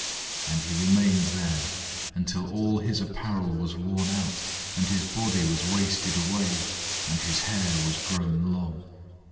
And he remained there until all his apparel was worn out, and his body was wasted away, and his hair was grown long.